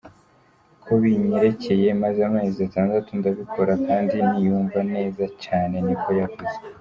"Ku binyerekeye, maze amezi atandatu ndabikora kandi niyumva neza cane," niko yavuze.